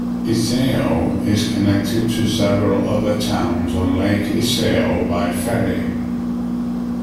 Iseo is connected to several other towns on Lake Iseo by ferry.